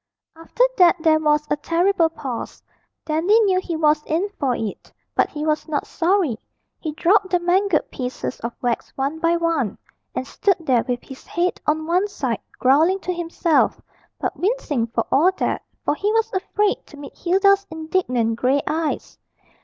After that there was a terrible pause. Dandy knew he was in for it, but he was not sorry. He dropped the mangled pieces of wax one by one, and stood there with his head on one side, growling to himself, but wincing for all that, for he was afraid to meet Hilda's indignant grey eyes.